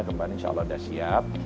kemudian insya allah udah siap